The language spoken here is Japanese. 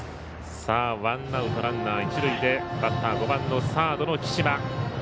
ワンアウト、ランナー、一塁でバッター５番のサードの貴島。